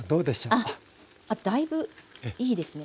あっだいぶいいですね。